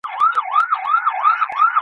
د کلي کوڅې د باران له امله ډېرې خټینې وې.